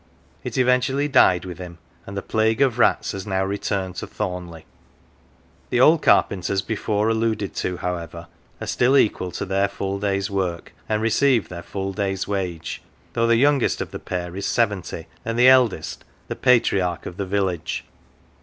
It eventually died with him, and the plague of rats has now returned to Thornleigh. The old carpenters before alluded to, however, are still equal to their full day's work, and receive their full day's wage ; though the youngest of the pair is seventy and the eldest the patriarch of the 180 OF THE WALL village.